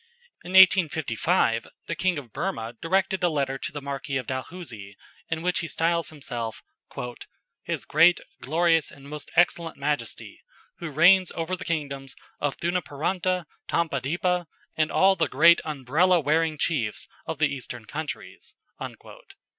In 1855 the King of Burmah directed a letter to the Marquis of Dalhousie in which he styles himself "His great, glorious, and most excellent Majesty, who reigns over the kingdoms of Thunaparanta, Tampadipa, and all the great Umbrella wearing chiefs of the Eastern countries," &c.